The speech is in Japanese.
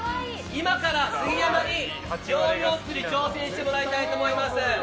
今から杉山にヨーヨーつり挑戦してもらいたいと思います。